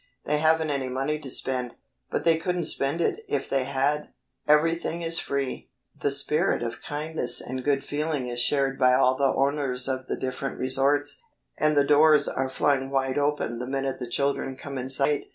They haven't any money to spend, but they couldn't spend it if they had. Everything is free. The spirit of kindness and good feeling is shared by all the owners of the different resorts, and the doors are flung wide open the minute the children come in sight.